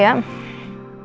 masuk ke angin